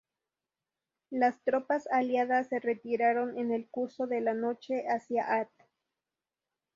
Las tropas aliadas se retiraron en el curso de la noche hacia Ath.